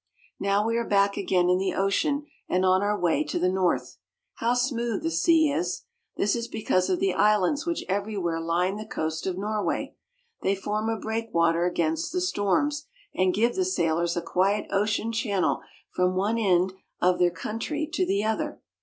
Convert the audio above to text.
Now we are back again in the ocean and on our way to the north. How smooth the sea is ! This is because of the islands which everywhere line the coast of Norway ; they form a breakwater against the storms, and give the sailors a quiet ocean channel from one end of their A r «r "We find little towns and villages along the banks." country to the other.